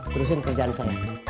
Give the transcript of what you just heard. terusin kerjaan saya